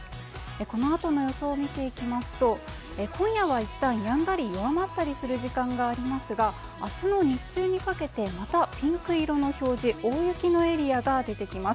このあとの予想を見ていきますと、今夜はいったんやんだり弱まったりする時間がありますが、明日の日中にかけてまたピンク色の表示、大雪のエリアが出てきます。